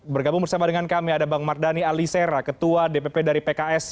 bergabung bersama dengan kami ada bang mardhani alisera ketua dpp dari pks